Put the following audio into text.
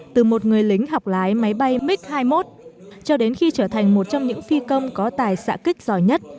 từ một người lính học lái máy bay mig hai mươi một cho đến khi trở thành một trong những phi công có tài xã kích giỏi nhất